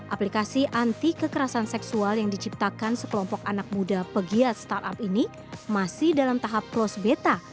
aplikasi anti kekerasan seksual yang diciptakan sekelompok anak muda pegiat startup ini masih dalam tahap plus beta